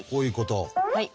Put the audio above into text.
はい。